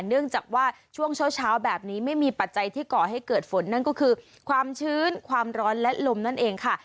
เนื่องจากว่าช่วงเช้าแบบนี้ไม่มีปัจจัยที่ก่อให้เกิดฝนนั่นก็คือความชื้นความร้อนและลมนั่นเองค่ะ